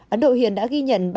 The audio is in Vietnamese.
ấn độ hiện đã ghi nhận